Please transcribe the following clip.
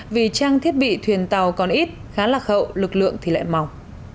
vì trang thiết bị thuyền tàu còn ít khá lạc hậu lực lượng thì lại mỏng